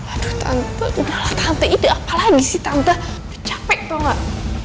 aduh tante udahlah tante ide apalagi sih tante udah capek tau gak